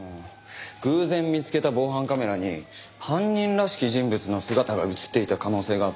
偶然見つけた防犯カメラに犯人らしき人物の姿が映っていた可能性があって。